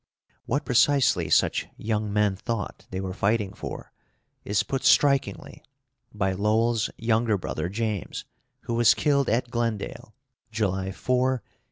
What precisely such young men thought they were fighting for is put strikingly by Lowell's younger brother James, who was killed at Glendale, July 4, 1862.